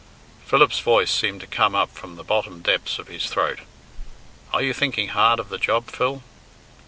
Philip's voice seemed to come up from the bottom depths of his throat. "Are you thinking hard of the job, Phil?"